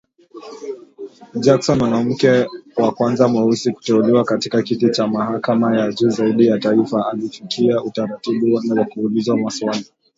Jackson, mwanamke wa kwanza mweusi kuteuliwa katika kiti cha mahakama ya juu zaidi ya taifa, alifikia utaratibu wa kuulizwa maswali.